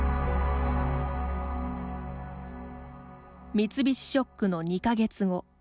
三菱ショックの２か月後。